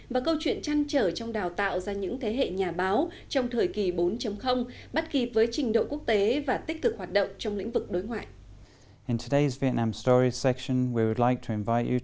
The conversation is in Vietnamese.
và câu chuyện chăn trở trong đào tạo ra những thế hệ nhà báo trong thời kỳ bốn bắt kịp với trình độ quốc tế và tích cực hoạt động trong lĩnh vực đối ngoại